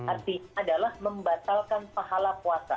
artinya adalah membatalkan pahala puasa